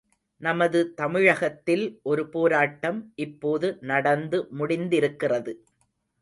நமது தமிழகத்தில் ஒரு போராட்டம் இப்போது நடந்து முடிந்திருக்கிறது.